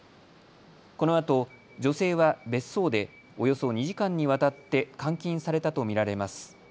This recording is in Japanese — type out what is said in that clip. このあと女性は別荘でおよそ２時間にわたって監禁されたと見られます。